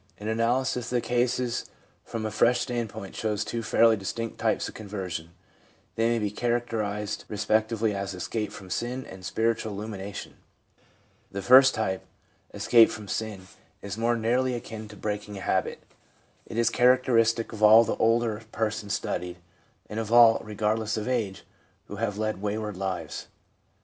— An analysis of the cases from a fresh standpoint shows two fairly distinct types of conversion. They may be characterised re spectively as escape from sin and spiritual illumination. The first type, escape from sin, is more nearly akin to breaking a habit. It is characteristic of all the older persons studied, and of all, regardless of age, who have led wayward lives.